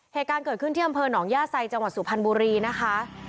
เหตุการณ์เกิดขึ้นที่อำเภอหนองย่าไซจังหวัดสุพรรณบุรีนะคะ